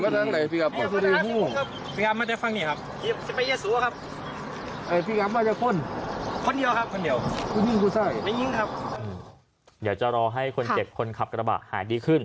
เดี๋ยวจะรอให้คนเจ็บคนขับกระบะหายดีขึ้น